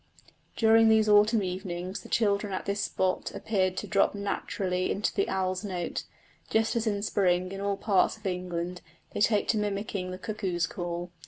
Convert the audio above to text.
During these autumn evenings the children at this spot appeared to drop naturally into the owl's note, just as in spring in all parts of England they take to mimicking the cuckoo's call.